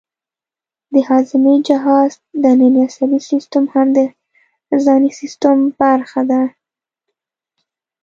د هاضمې جهاز دنننی عصبي سیستم هم د ځانی سیستم برخه ده